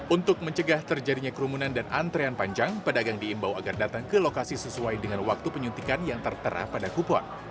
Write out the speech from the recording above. untuk mencegah terjadinya kerumunan dan antrean panjang pedagang diimbau agar datang ke lokasi sesuai dengan waktu penyuntikan yang tertera pada kupon